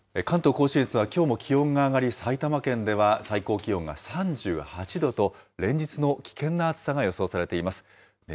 関東甲信越は、きょうも気温が上がり、埼玉県では最高気温が３８度と、連日の危険な暑さが予想されています。